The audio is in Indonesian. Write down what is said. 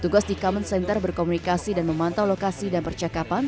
tugas di common center berkomunikasi dan memantau lokasi dan percakapan